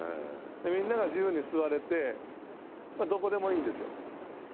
みんなが自由に座れて、どこでもいいんですよ。